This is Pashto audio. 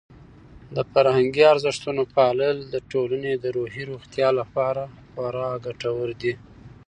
د فرهنګي ارزښتونو پالل د ټولنې د روحي روغتیا لپاره خورا ګټور دي.